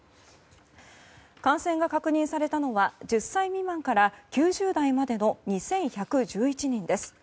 感染が確認されたのは１０歳未満から９０代までの２１１１人です。